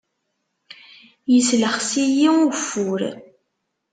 Yeslexs-iyi ugeffur.